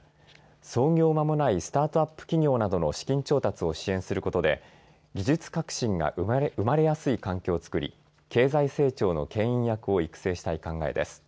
創業まもないスタートアップ企業などの資金調達を支援することで技術革新が生まれやすい環境を作り経済成長のけん引役を育成したい考えです。